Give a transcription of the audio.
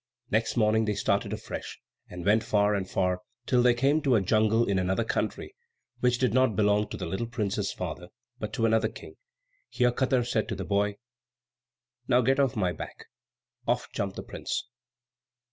Next morning they started afresh, and went far, and far, till they came to a jungle in another country, which did not belong to the little prince's father, but to another king. Here Katar said to the boy, "Now get off my back." Off jumped the prince.